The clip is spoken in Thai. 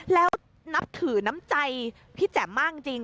แล้วนับถือน้ำใจพี่แจ๋มมากจริง